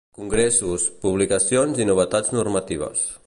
Congressos, publicacions i novetats normatives.